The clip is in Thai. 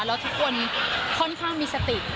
แล้วทุกคนค่อนข้างมีสติ